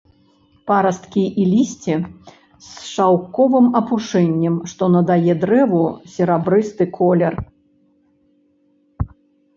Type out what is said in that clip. Парасткі і лісце з шаўковым апушэннем, што надае дрэву серабрысты колер.